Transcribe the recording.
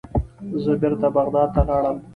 زه بیرته بغداد ته لاړم.